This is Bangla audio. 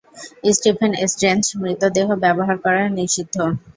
স্টিফেন স্ট্রেঞ্জ, মৃতদেহ ব্যবহার করা নিষিদ্ধ!